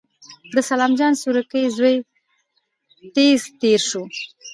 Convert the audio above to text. د سلام جان سورکی زوی تېز تېر شو.